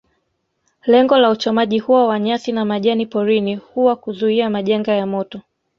Lengo la uchomaji huo wa nyasi na majani porini huwa kuzuia majanga ya moto